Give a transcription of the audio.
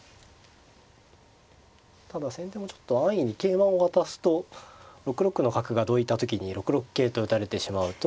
ただ先手もちょっと安易に桂馬を渡すと６六の角がどいた時に６六桂と打たれてしまうと。